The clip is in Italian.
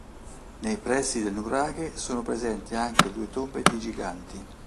Nei pressi del nuraghe sono presenti anche due tombe di giganti.